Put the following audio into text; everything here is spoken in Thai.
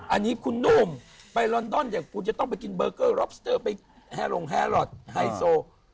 อันนี้คุณนุ่มไปลอนดอนอย่างคุณจะต้องไปกินเบอร์เกอร์ร็อกสเตอร์ไปแฮลงแฮรอทไฮโซ